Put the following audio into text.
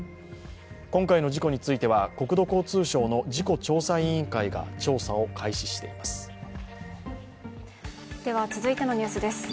今回の事故については、国土交通省の事故調査委員会が調査を開始しています。